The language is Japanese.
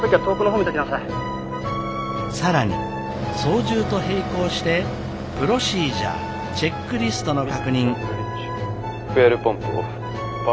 更に操縦と並行してプロシージャーチェックリストの確認。